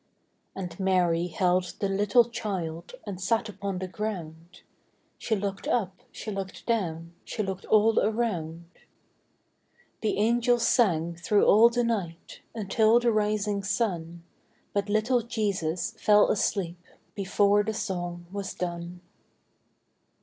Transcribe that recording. And Mary held the little child And sat upon the ground; She looked up, she looked down, She looked all around. The angels sang thro' all the night Until the rising sun, But little Jesus fell asleep Before the song was done.